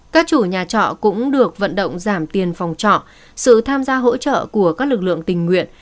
các chủ nhà trọ cũng được vận động giảm tiền phòng trọ sự tham gia hỗ trợ của các lực lượng tình nguyện